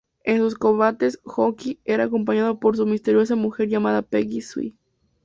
En sus combates, Honky era acompañado por una misteriosa mujer llamada Peggy Sue.